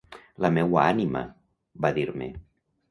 La meua ànima, va dir-me.